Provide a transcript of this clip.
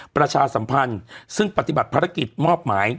ประชาสัมพันธ์ซึ่งปฏิบัติภารกิจมอบหมาย